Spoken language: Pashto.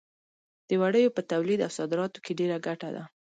د وړیو په تولید او صادراتو کې ډېره ګټه ده.